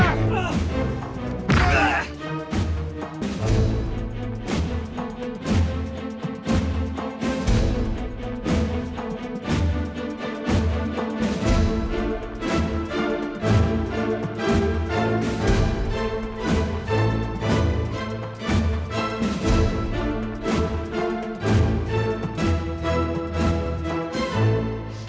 mau lagi apa enggak